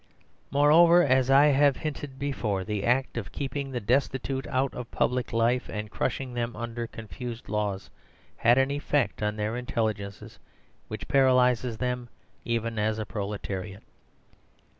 Moreover, as I have hinted before, the act of keeping the destitute out of public life, and crushing them under confused laws, had an effect on their intelligences which paralyses them even as a proletariat.